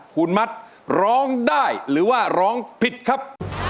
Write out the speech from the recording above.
คุณมัดร้องได้หรือว่าร้องผิดครับ